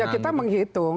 ya kita menghitung